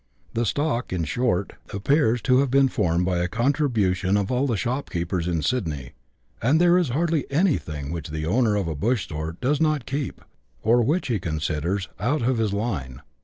The stock, in short, appears 86 BUSH LIFE IN AUSTRALIA. [chap. viii. to have been formed by a contribution of all the shopkeepers in Sydney, and there is hardly anything which the owner of a bush store does not keep, or which he considers " ont of his line."